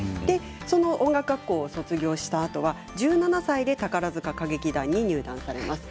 その音楽学校を卒業したあとは１７歳で宝塚歌劇団に入団されます。